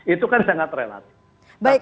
itu kan sangat relatif